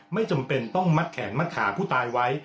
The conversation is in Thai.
ไม่จำเป็นต้องมัดแขนมัดขาผู้ตายไว้